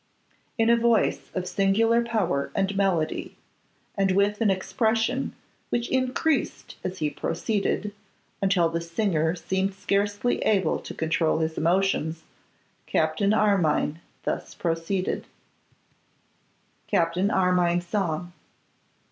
In a voice of singular power and melody, and with an expression which increased as he proceeded, until the singer seemed scarcely able to control his emotions, Captain Armine thus proceeded: CAPTAIN ARMINE'S SONG.